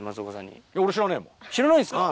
知らないんですか？